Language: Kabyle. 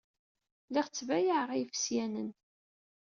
Lliɣ ttbayaɛeɣ i yifesyanen.